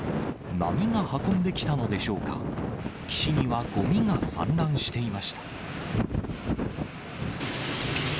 波が運んできたのでしょうか、岸にはごみが散乱していました。